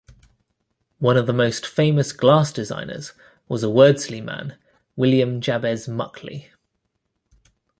One of the most famous glass designers was a Wordsley man, William Jabez Muckley.